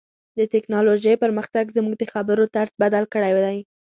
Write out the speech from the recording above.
د ټکنالوژۍ پرمختګ زموږ د خبرو طرز بدل کړی دی.